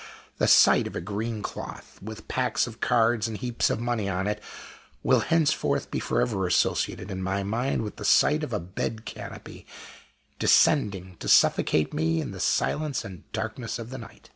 The sight of a green cloth, with packs of cards and heaps of money on it, will henceforth be forever associated in my mind with the sight of a bed canopy descending to suffocate me in the silence and darkness of the night.